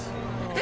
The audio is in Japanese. え？